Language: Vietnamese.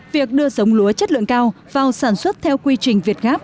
việc đưa giống lúa chất lượng cao vào sản xuất theo quy trình việt gáp